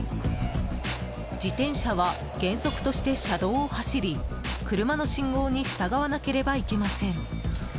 自転車は、原則として車道を走り車の信号に従わなければいけません。